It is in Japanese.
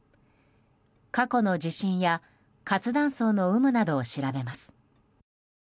過去の地震や活断層の有無などを調べます。